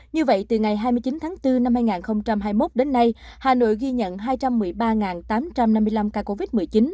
như vậy từ ngày hai mươi chín tháng bốn năm hai nghìn hai mươi một đến nay hà nội ghi nhận hai trăm một mươi ba tám trăm năm mươi năm ca covid một mươi chín